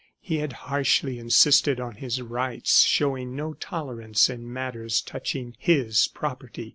He had harshly insisted on his rights, showing no tolerance in matters touching his property.